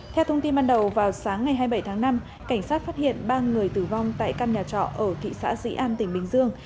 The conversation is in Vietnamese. theo thông tin ban đầu vào sáng ngày hai mươi bảy tháng năm cảnh sát phát hiện ba người tử vong tại căn nhà trọ ở thị xã dĩ an tỉnh bình dương